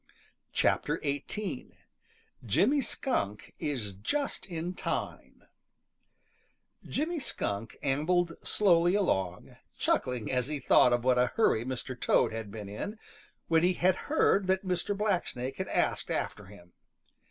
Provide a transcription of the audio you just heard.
XVIII JIMMY SKUNK IS JUST IN TIME Jimmy Skunk ambled slowly along, chuckling as he thought of what a hurry Mr. Toad had been in, when he had heard that Mr. Blacksnake had asked after him.